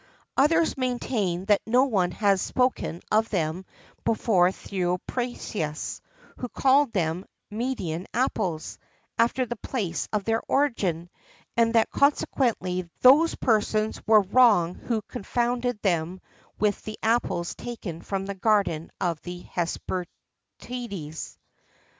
[XIII 26] Others maintain that no one has spoken of them before Theophrastus,[XIII 27] who called them "Median apples," after the place of their origin; and that consequently those persons were wrong who confounded them with the apples taken from the garden of the Hesperides.